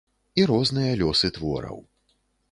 І розныя лёсы твораў.